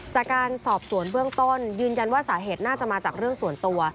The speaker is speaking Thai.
จากการสอบสวนเบื้องต้นยืนยันว่าสาเหตุน่าจะมาจากเรื่องส่วนตัว